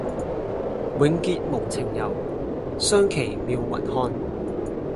永結無情遊，相期邈雲漢